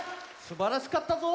すばらしかったぞ。